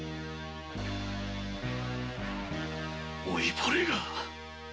老いぼれが。